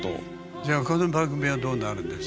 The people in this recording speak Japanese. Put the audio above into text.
じゃあこの番組はどうなるんです？